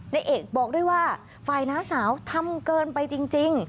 นายเอกบอกด้วยว่าฝ่ายน้าสาวทำเกินไปจริง